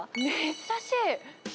珍しい。